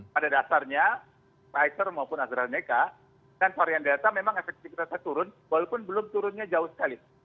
pada dasarnya pfizer maupun astrazeneca kan varian delta memang efektivitasnya turun walaupun belum turunnya jauh sekali